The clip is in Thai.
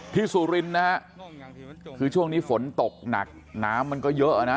สุรินทร์นะฮะคือช่วงนี้ฝนตกหนักน้ำมันก็เยอะนะ